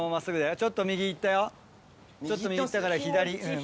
ちょっと右行ったから左。